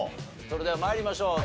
それでは参りましょう。